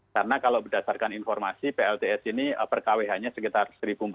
karena kalau berdasarkan informasi plts ini per kwh nya sekitar satu empat ratus